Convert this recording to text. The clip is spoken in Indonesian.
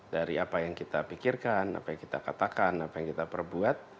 dari apa yang kita pikirkan apa yang kita katakan apa yang kita perbuat